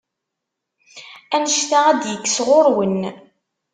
Anect-a ad d-yekk sɣur-wen.